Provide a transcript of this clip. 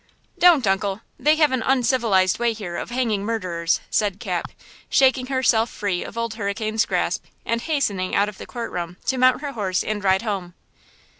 "Don't, uncle; they have an uncivilized way here of hanging murderers," said Cap, shaking herself free of old Hurricane's grasp, and hastening out of the court room to mount her horse and ride home.